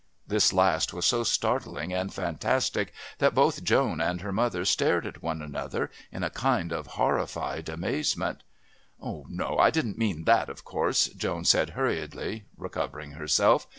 This last was so startling and fantastic that both Joan and her mother stared at one another in a kind of horrified amazement. "No, I didn't mean that, of course," Joan said, hurriedly recovering herself.